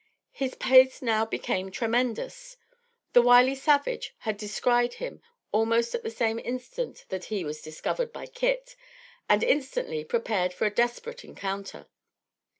His pace now became tremendous. The wily savage had descried him almost at the same instant that he was discovered by Kit, and instantly prepared for a desperate encounter.